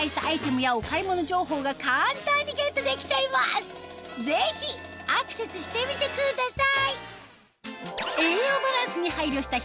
画面右上のぜひアクセスしてみてください